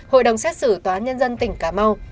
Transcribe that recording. hội đồng xét xử tòa án nhân dân tp cà mau